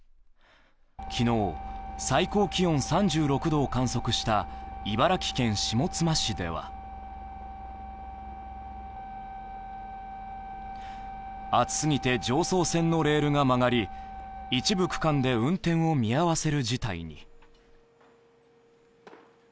昨日、最高気温３６度を観測した茨城県下妻市では暑すぎて常総線のレールが曲がり一部区間で運転を見合わせる事態に。